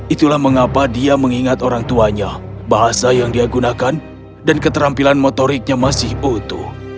itulah mengapa dia mengingat orang tuanya bahasa yang dia gunakan dan keterampilan motoriknya masih utuh